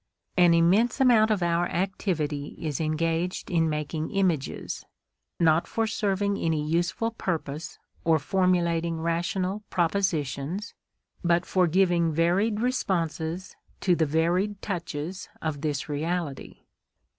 An immense amount of our activity is engaged in making images, not for serving any useful purpose or formulating rational propositions, but for giving varied responses to the varied touches of this reality.